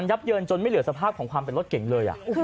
ับเยินจนไม่เหลือสภาพของความเป็นรถเก่งเลย